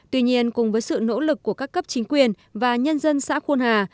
tuy nhiên cùng với sự nỗ lực của các cấp chính quyền và nhân dân xã khuôn hà